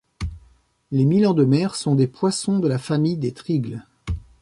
Les milans de mer sont des poissons de la famille des trigles.